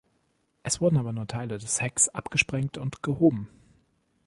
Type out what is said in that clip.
Es wurden aber nur Teile des Hecks abgesprengt und gehoben.